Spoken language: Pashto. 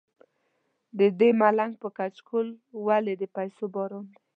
ددې ملنګ په کچکول ولې د پیسو باران دی.